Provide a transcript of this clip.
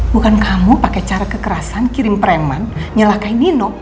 bukan kamu pakai cara kekerasan kirim preman nyelakain nino